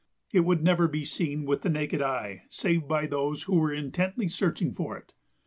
It would never be seen with the naked eye save by those who were intently searching for it.